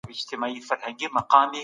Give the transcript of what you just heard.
دورکهايم د ځان وژنې په اړه څېړنه وکړه.